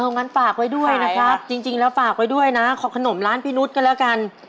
งั้นฝากไว้ด้วยนะครับจริงแล้วฝากไว้ด้วยนะขอขนมร้านพี่นุษย์ก็แล้วกัน